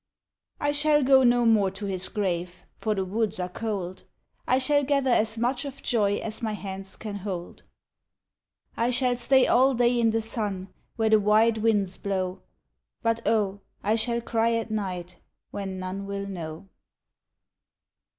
I shall go no more to his grave, For the woods are cold. I shall gather as much of joy As my hands can hold. I shall stay all day in the sun Where the wide winds blow, But oh, I shall cry at night When none will know.